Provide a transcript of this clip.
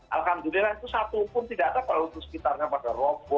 alhamdulillah itu satu pun tidak ada kalau itu sekitarnya pada roboh pada ambruk ya